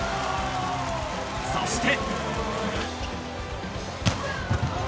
［そして］